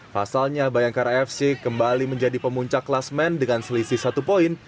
pasalnya bayangkara fc kembali menjadi pemuncak kelas men dengan selisih satu poin